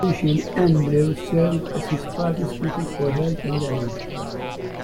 In opposition, Andrewes served as his party's critic for Health and Energy.